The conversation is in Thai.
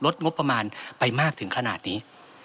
งบประมาณไปมากถึงขนาดนี้